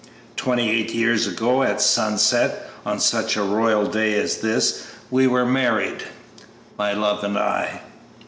Twenty eight years ago, at sunset, on such a royal day as this, we were married my love and I."